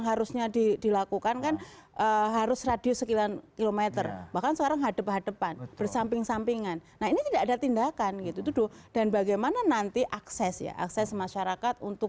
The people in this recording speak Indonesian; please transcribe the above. penyelenggara dan juga peserta